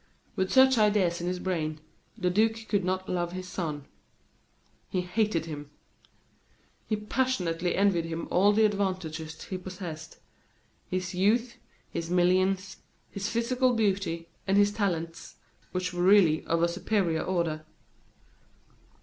With such ideas in his brain, the duke could not love his son. He hated him. He passionately envied him all the advantages he possessed his youth, his millions, his physical beauty, and his talents, which were really of a superior order.